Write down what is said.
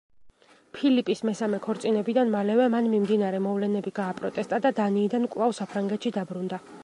ფილიპის მესამე ქორწინებიდან მალევე მან მიმდინარე მოვლენები გააპროტესტა და დანიიდან კვლავ საფრანგეთში დაბრუნდა.